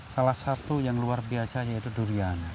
salah satu yang luar biasa yaitu durian